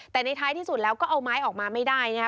แต่ในท้ายที่สุดแล้วก็เอาไม้ออกมาไม่ได้นะคะ